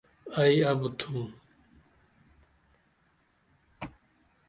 ائی ابُت تُھوم